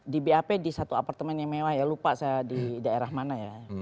di bap di satu apartemen yang mewah ya lupa saya di daerah mana ya